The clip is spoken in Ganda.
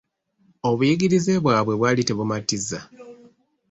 Obuyigirize bwabwe bwaali tebumatiza.